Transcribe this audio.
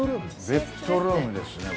ベッドルームですね